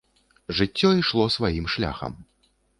Жыццё ішло сваім шляхам.